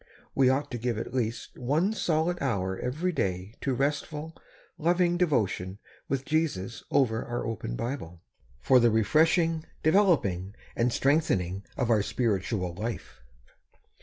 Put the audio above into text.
We ought to give at least one solid hour every day to restful, loving devotion with Jesus over our open Bible, for the refreshing, de veloping and strengthening of our spiritual life.